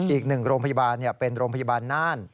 อีก๑โรงพยาบาลเป็นโรงพยาบาลนาน